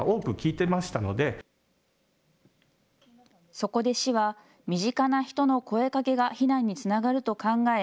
そこで市は身近な人の声かけが避難につながると考え